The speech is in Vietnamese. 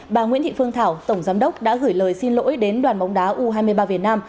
bà nguyễn thị phương thảo tổng giám đốc đã gửi lời xin lỗi đến đoàn bóng đá u hai mươi ba việt nam